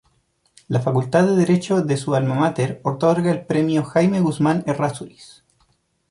La Facultad de Derecho de su alma máter otorga el Premio Jaime Guzmán Errázuriz.